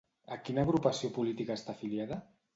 A quina agrupació política està afiliada?